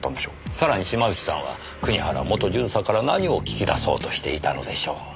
さらに島内さんは国原元巡査から何を聞き出そうとしていたのでしょう？